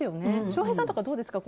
翔平さんはどうですか。